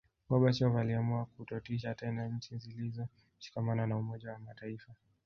Gorbachov aliamua kutotisha tena nchi zilizoshikamana na Umoja wa mataifa